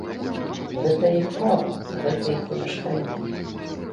Гэта іх права, гэта іх памяшканне.